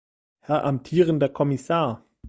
Herr amtierender Kommissar!